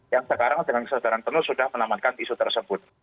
yang sekarang dengan kesesaran penuh sudah menamatkan isu tersebut